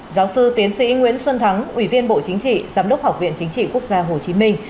giáo sư tiến sĩ nguyễn xuân thắng ủy viên bộ chính trị giám đốc học viện chính trị quốc gia hồ chí minh